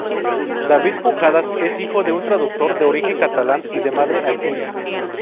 David Pujadas es hijo de un traductor de origen catalán y de madre, actriz.